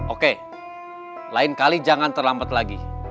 oke lain kali jangan terlambat lagi